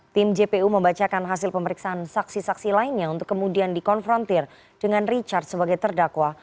tim jpu membacakan hasil pemeriksaan saksi saksi lainnya untuk kemudian dikonfrontir dengan richard sebagai terdakwa